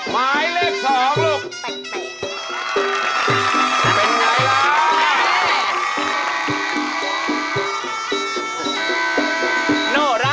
ไม้เลขสองลูก